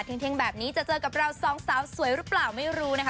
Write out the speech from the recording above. เที่ยงแบบนี้จะเจอกับเราสองสาวสวยหรือเปล่าไม่รู้นะคะ